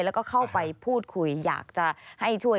แล้วก็เข้าไปพูดคุยอยากจะให้ช่วย